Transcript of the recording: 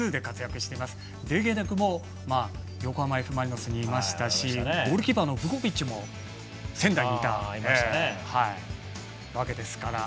デゲネクも横浜Ｆ・マリノスにいましたしゴールキーパーも仙台にいたわけですから。